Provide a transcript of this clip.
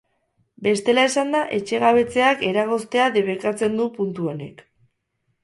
Bestela esanda, etxegabetzeak eragoztea debekatzen du puntu honek.